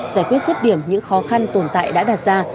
giải quyết rứt điểm những khó khăn tồn tại đã đạt ra